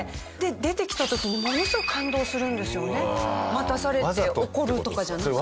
待たされて怒るとかじゃなくて。